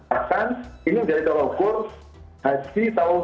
bahkan ini menjadi tahukur hasil tahun dua ribu dua puluh dua